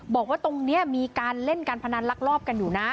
บอกว่าตรงนี้มีการเล่นการพนันลักลอบกันอยู่นะ